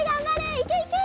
いけいけ！